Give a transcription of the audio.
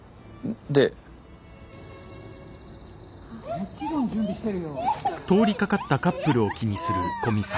もちろん準備してるよ。